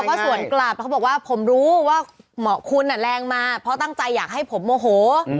แล้วก็สวนกลับแล้วเขาบอกว่าผมรู้ว่าเหมาะคุณแรงมาเพราะตั้งใจอยากให้ผมโมโห